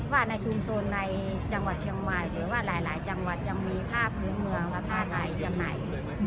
ว่าในชุมชนในจังหวัดเชียงใหม่หรือว่าหลายจังหวัดยังมีภาพพื้นเมืองและผ้าไทยจำหน่าย